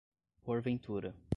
porventura